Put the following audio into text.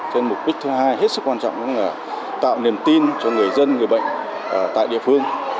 cái mục đích thứ hai hết sức quan trọng là tạo niềm tin cho người dân người bệnh tại địa phương